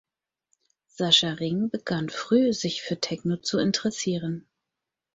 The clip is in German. Sascha Ring begann früh, sich für Techno zu interessieren.